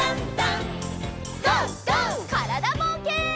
からだぼうけん。